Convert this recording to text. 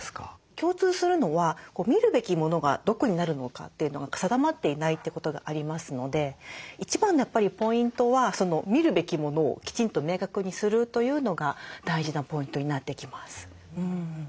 共通するのは見るべきものがどこになるのかというのが定まっていないってことがありますので一番のやっぱりポイントは見るべきものをきちんと明確にするというのが大事なポイントになってきます。